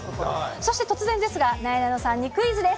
そして突然ですが、なえなのさんにクイズです。